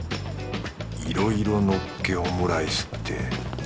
いろいろのっけオムライスって。